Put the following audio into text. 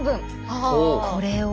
これを。